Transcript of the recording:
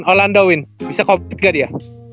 orlando wyn bisa compete gak dia